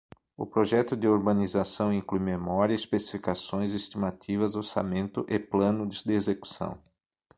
O projeto de urbanização inclui memória, especificações, estimativas, orçamento e planos de execução.